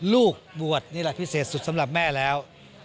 ลูกบวชนี่แหละพิเศษสุดสำหรับแม่แล้ว